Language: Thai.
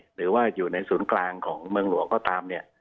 หรือว่าอยู่ในศูนย์กลางของเมืองหลวงก็ตามเนี่ย